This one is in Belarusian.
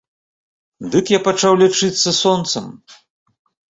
Дык я пачаў лячыцца сонцам.